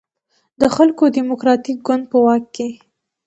د خلکو دیموکراتیک ګوند په واک کې.